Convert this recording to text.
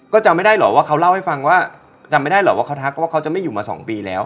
ก็จำไม่ได้หรอกว่าเขาเล่าให้ฟังว่าจำไม่ได้หรอกว่าเขาทักว่าเขาจะไม่อยู่มาสองปีแล้ว